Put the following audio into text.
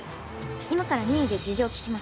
今から任意で事情を聴きます。